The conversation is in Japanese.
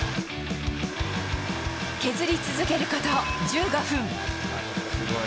削り続けること１５分。